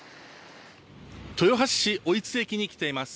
豊橋市老津駅に来ています。